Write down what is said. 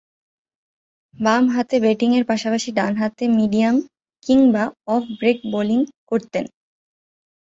বামহাতে ব্যাটিংয়ের পাশাপাশি ডানহাতে মিডিয়াম কিংবা অফ ব্রেক বোলিং করতেন।